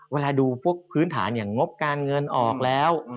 เวลาดูพวกพื้นฐานอย่างงบการเงินออกแล้ว